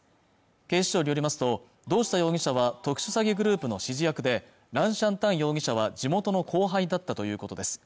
警視庁によりますと堂下容疑者は特殊詐欺グループの指示役でラン・シャン・タン容疑者は地元の後輩だったということです